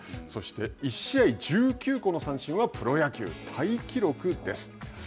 そして１試合１９個の三振はプロ野球タイ記録です。